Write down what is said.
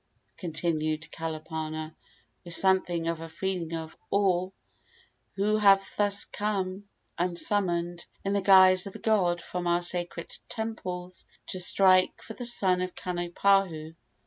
continued Kalapana, with something of a feeling of awe, "who have thus come unsummoned, in the guise of a god from our sacred temples, to strike for the son of Kanipahu?"